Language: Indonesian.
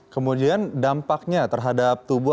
kemudian dampaknya terhadap tubuh